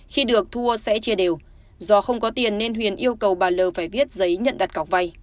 khi được thua sẽ chia đều do không có tiền nên huyền yêu cầu bà l phải viết giấy nhận đặt cọc vay